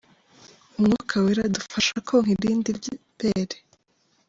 Umwuka wera adufasha konka irindi bere.